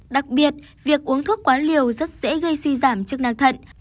đặc biệt việc uống thuốc quá liều rất dễ gây suy giảm chức năng thận